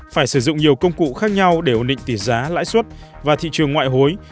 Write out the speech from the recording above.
phải sử dụng nhiều công cụ khác nhau để ổn định tỷ giá lãi suất và thị trường ngoại hối